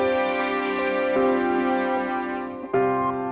ในสามโลกหาไม่มีเช่นนี้